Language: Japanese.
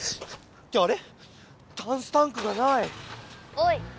おい！